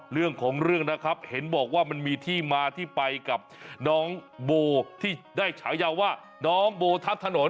เรื่องของเรื่องนะครับเห็นบอกว่ามันมีที่มาที่ไปกับน้องโบที่ได้ฉายาว่าน้องโบทับถนน